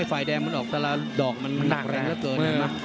ฝ่ายแดงมันออกแต่ละดอกมันแน่นเหลือเกิน